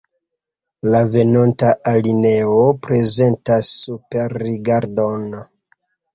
La venonta alineo prezentas superrigardon.